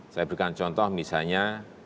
saya berikan contoh misalnya